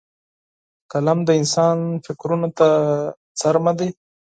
قلم د انسان فکرونو ته څېرمه دی